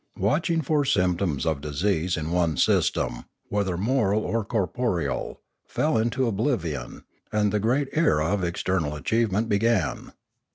Watching for symptoms of disease in one's system, whether moral or corporeal', fell into oblivion, and the great era of external achievement began.